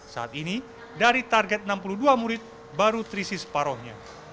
saat ini dari target enam puluh dua murid baru krisis parohnya